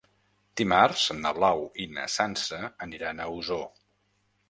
Dimarts na Blau i na Sança aniran a Osor.